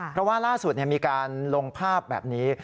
เพราะว่าล่าสุดมีการลงภาพแบบนี้